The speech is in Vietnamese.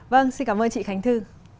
vâng xin cảm ơn chị khánh thư